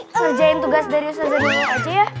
kerjain tugas dari ustaz adina aja ya